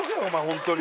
ホントに。